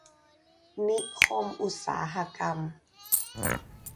นิคมอุตสาหกรรม